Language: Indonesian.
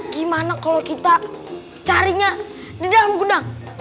gimana kalau kita carinya di dalam gudang